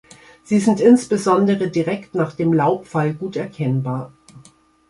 Sie sind insbesondere direkt nach dem Laubfall gut erkennbar.